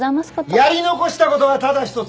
やり残したことはただ一つ！